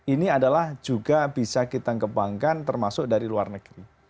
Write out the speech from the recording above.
ini adalah juga bisa kita kembangkan termasuk dari luar negeri